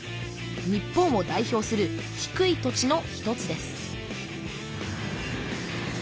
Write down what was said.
日本を代表する低い土地の一つです